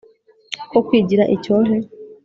ko kwigira icyohe